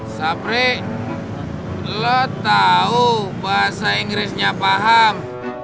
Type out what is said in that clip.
sabri lo tau bahasa inggrisnya paham